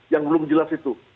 yang belum jelas itu